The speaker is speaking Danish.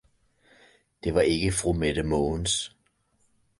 det var ikke fru Mette Mogens'.